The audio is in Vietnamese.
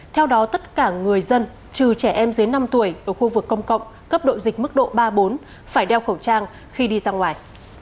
theo đó tất cả người dân trừ trẻ em dưới năm tuổi ở khu vực công cộng cấp độ dịch mức độ ba bốn phải đeo khẩu trang khi đi ra ngoài